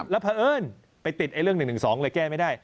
แล้วเพราะเอิญไปติดเรื่อง๑๑๒เลยแก้ไม่ได้